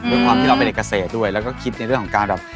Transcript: ด้วยความที่เราเป็นเด็กเกษตรด้วยแล้วก็คิดในเรื่องของการแบบ